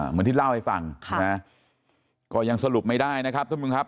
เหมือนที่เล่าให้ฟังค่ะก็ยังสรุปไม่ได้นะครับทุกคนครับ